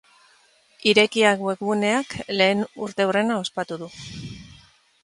Irekia webguneak lehen urteurrena ospatu du.